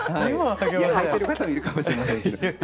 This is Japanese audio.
はいてる方もいるかもしれませんけど。